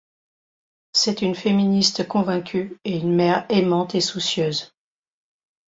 C'est une féministe convaincue et une mère aimante et soucieuse.